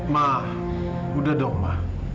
ma udah dong ma